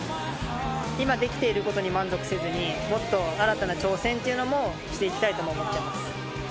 今できていることに満足せずに、もっと新たな挑戦っていうのもしていきたいとも思ってます。